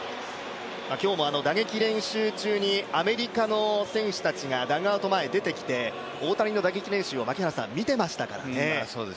今日も打撃練習中にアメリカの選手たちがダグアウト前、出てきて大谷の打撃練習を見てましたからね。